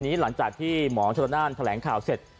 หลังจากที่หมอชนนั่นแถลงข่าวเสร็จ